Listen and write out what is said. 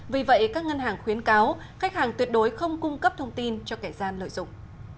vì vậy các ngân hàng khuyến cáo khách hàng tuyệt đối không cung cấp thông tin cho kẻ gian lợi dụng